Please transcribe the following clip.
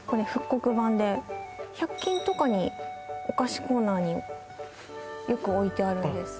刻版で１００均とかにお菓子コーナーによく置いてあるんです